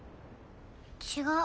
違う。